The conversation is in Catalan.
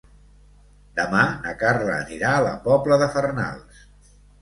Demà na Carla anirà a la Pobla de Farnals.